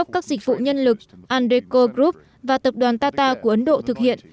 các dịch vụ nhân lực andeco group và tập đoàn tata của ấn độ thực hiện